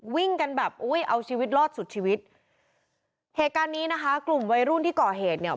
วิ่งกันแบบอุ้ยเอาชีวิตรอดสุดชีวิตเหตุการณ์นี้นะคะกลุ่มวัยรุ่นที่ก่อเหตุเนี่ย